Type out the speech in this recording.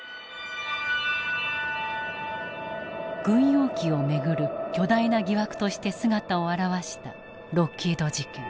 軍用機を巡る巨大な疑惑として姿を現したロッキード事件。